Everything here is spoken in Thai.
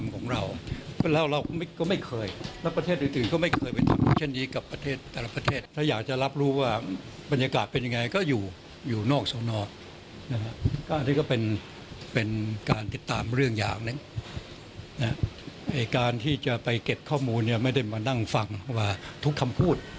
แก่เก็บข้อมูลไม่ได้มานั่งฟังว่าทุกคำพูด